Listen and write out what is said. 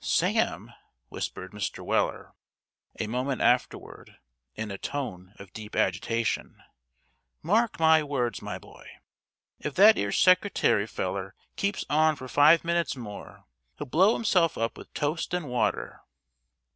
"Sam," whispered Mr. Weller, a moment afterward, in a tone of deep agitation, "mark my words, my boy; if that 'ere secretary feller keeps on for five minutes more, he'll blow himself up with toast and water."